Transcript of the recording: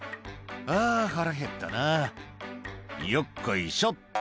「あぁ腹へったなよっこいしょっと」